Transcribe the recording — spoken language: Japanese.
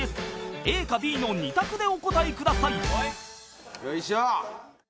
［ＡかＢの２択でお答えください］よいしょ！